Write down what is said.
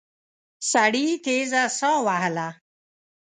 سړي تېزه ساه وهله.